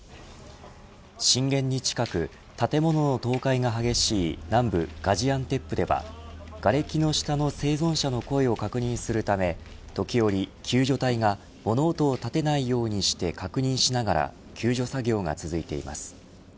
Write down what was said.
震源に近く建物の倒壊が激しい南部ガジアンテップではがれきの下の生存者の声を確認するため時折、救助隊が物音を立てないようにして確認しながら救助作業が続いています。